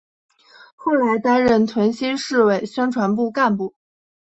后来担任屯溪市委宣传部干部。